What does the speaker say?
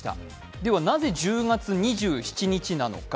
ではなぜ、１０月２７日なのか？